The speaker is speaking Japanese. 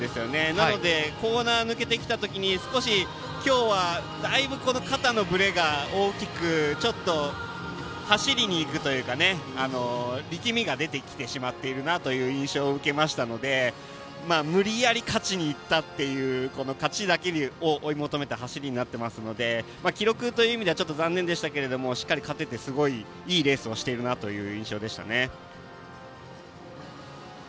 なのでコーナーを抜けてきた時に今日は、だいぶ肩のぶれが大きくちょっと走りにいくというか力みが出てきてしまっていた印象を受けましたので無理やり勝ちにいったという勝ちだけを追い求めた走りになっていますので記録という意味ではちょっと残念でしたがしっかり勝てていいレースをしているなという印象でしたね。